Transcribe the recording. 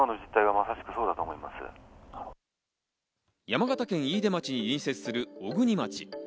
山形県飯豊町に隣接する小国町。